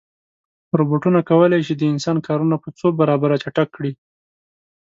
روبوټونه کولی شي د انسان کارونه په څو برابره چټک کړي.